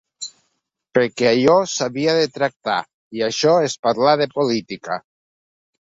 Perquè allò s’havia de tractar, i això és parlar de política.